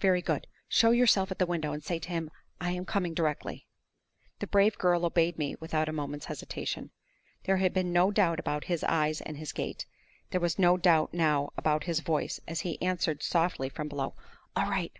"Very good. Show yourself at the window, and say to him, 'I am coming directly.'" The brave girl obeyed me without a moment's hesitation. There had been no doubt about his eyes and his gait; there was no doubt now about his voice, as he answered softly from below "All right!"